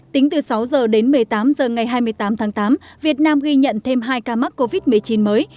tính từ sáu h đến một mươi tám h ngày hai mươi tám tháng tám việt nam ghi nhận thêm hai ca mắc covid một mươi chín mới